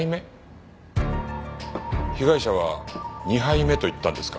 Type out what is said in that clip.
被害者は２杯目と言ったんですか？